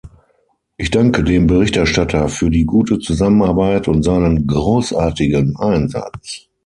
Ich danke dem Berichterstatter für die gute Zusammenarbeit und seinen großartigen Einsatz.